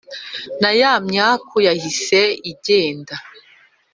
na ya myaku yahise igende